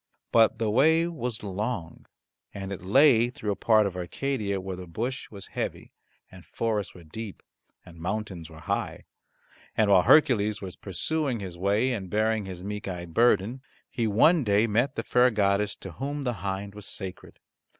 But the way was long, and it lay through a part of Arcadia where the bush was heavy, and forests were deep, and mountains were high, and while Hercules was pursuing his way and bearing his meek eyed burden, he one day met the fair goddess to whom the hind was sacred.